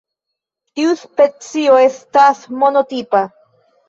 Tiu specio estas monotipa.